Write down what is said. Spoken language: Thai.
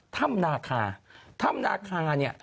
ถ้ำนาคาถ้ำนาคาเนี่ย